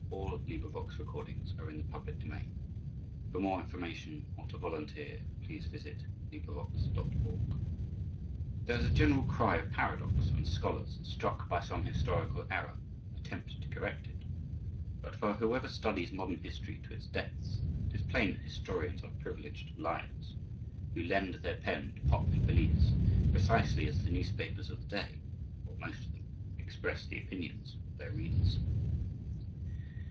MARIE TOUCHET IV. THE KING'S TALE V. THE ALCHEMISTS PART III. I. TWO DREAMS CATHERINE DE' MEDICI INTRODUCTION There is a general cry of paradox when scholars, struck by some historical error, attempt to correct it; but, for whoever studies modern history to its depths, it is plain that historians are privileged liars, who lend their pen to popular beliefs precisely as the newspapers of the day, or most of them, express the opinions of their readers.